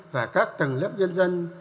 và các tầng lớp dân dân